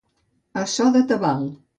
A so de tabal.